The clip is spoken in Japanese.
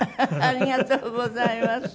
ありがとうございます。